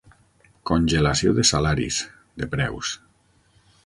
Congelació de salaris, de preus.